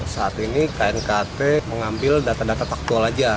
saat ini knkt mengambil data data faktual saja